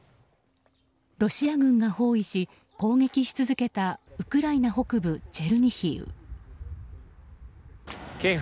ロシア軍が包囲し攻撃し続けたウクライナ北部チェルニヒウ。